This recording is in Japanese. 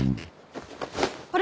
あれ？